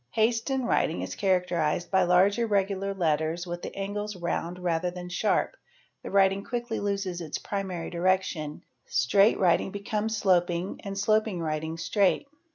Haste in writing HANDWRITING 239 characterised by large irregular letters with the angles round rather than _ sharp, the writing quickly loses its primary direction; straight writing _ becomes sloping and sloping writing straight.